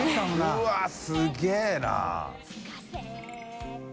うわすげぇな。